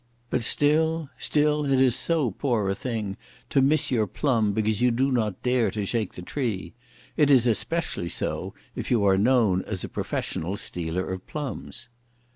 But still, still it is so poor a thing to miss your plum because you do not dare to shake the tree! It is especially so, if you are known as a professional stealer of plums!